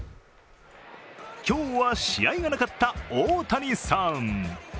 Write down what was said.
今日は試合がなかった大谷さん。